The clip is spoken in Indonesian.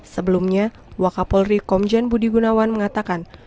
sebelumnya wakapolri komjen budi gunawan mengatakan